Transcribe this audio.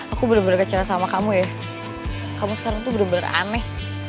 aku benar benar kecewa sama kamu ya kamu sekarang tuh bener bener aneh